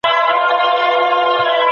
بیړه کول کله ناکله د زیان لامل ګرځي.